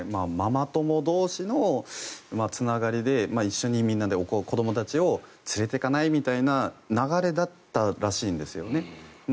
ママ友同士のつながりで一緒にみんなで子どもたちを連れて行かない？みたいな流れだったらしいんですよね。